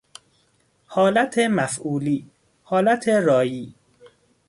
حالت مفعولی، حالت رایی